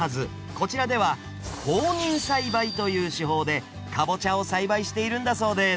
こちらでは放任栽培という手法でカボチャを栽培しているんだそうです